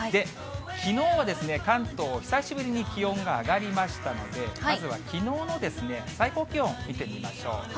きのうは関東、久しぶりに気温が上がりましたので、まずはきのうの最高気温を見てみましょう。